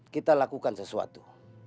kita lakukan sesuatu